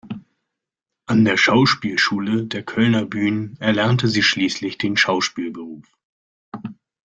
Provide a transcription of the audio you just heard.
An der Schauspielschule der Kölner Bühnen erlernte sie schließlich den Schauspielberuf.